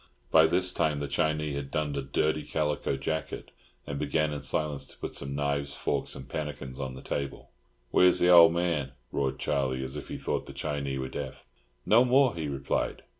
By this time the Chinee had donned a dirty calico jacket, and began in silence to put some knives, forks, and pannikins on the table. "Where's the old man?" roared Charlie, as if he thought the Chinee were deaf. "No more," he replied.